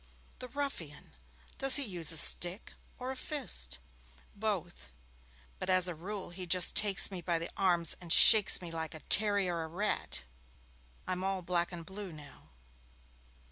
'The ruffian! Does he use a stick or a fist?' 'Both! But as a rule he just takes me by the arms and shakes me like a terrier a rat. I'm all black and blue now.'